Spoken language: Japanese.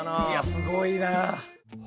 いやすごいな！